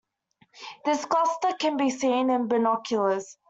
This cluster can be seen in binoculars.